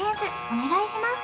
お願いします